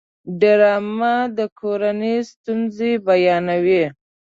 ډرامه د کورنۍ ستونزې بیانوي